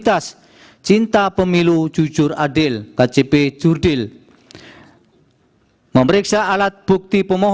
tengah putri yang disampaikan oleh